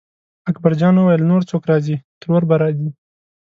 اکبرجان وویل نور څوک راځي ترور به راځي.